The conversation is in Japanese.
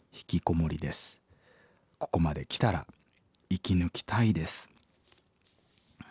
ここまできたら生き抜きたいです」。